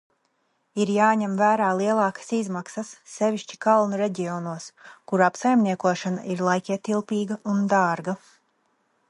Ir jāņem vērā lielākas izmaksas, sevišķi kalnu reģionos, kuru apsaimniekošana ir laikietilpīga un dārga.